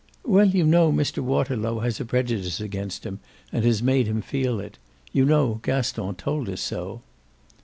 "Well, you know Mr. Waterlow has a prejudice against him and has made him feel it. You know Gaston told us so."